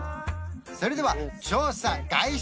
それでは調査開始！